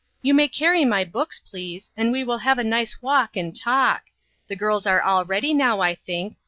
You may carry my books, please, and we will have a nice walk and talk. The girls are all ready now, I think.